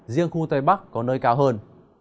riêng khu tây bắc có nơi cao hơn